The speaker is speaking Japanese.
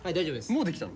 もうできたの？